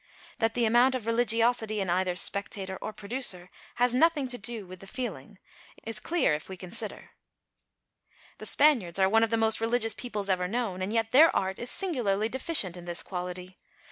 That the amount of religiosity in either spectator or producer has nothing to do with the feeling is clear if we consider. The Spaniards are one of the most religious peoples ever known, and yet their art is singularly deficient in this quality.